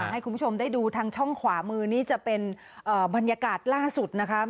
ให้คุณผู้ชมได้ดูทางช่องขวามือนี่จะเป็นบรรยากาศล่าสุดนะคะ